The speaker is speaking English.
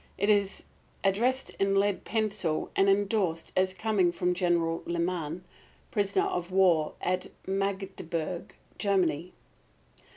It is addressed in lead pencil and indorsed as coming from General Leman, Prisoner of War at Magdeburg, Germany.